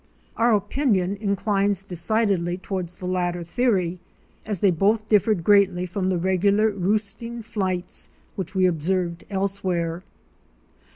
Our opinion inclines decidedly toward the latter theory, as they both differed greatly from the regular roosting flights which we observed elsewhere.